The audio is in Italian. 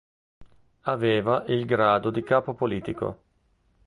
Aveva il grado di capo politico.